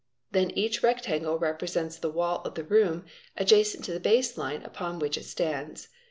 Then each rectangle — represents the wall of the room adjacent to the base line upon which it stands.